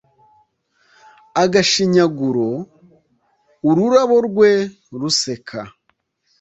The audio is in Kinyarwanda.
Agashinyaguro ururabo rwe ruseka